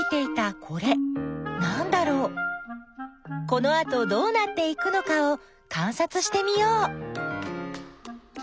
このあとどうなっていくのかをかんさつしてみよう。